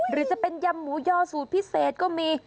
หรือจะเป็นยำหมูยอสูตรพิเศษก็มี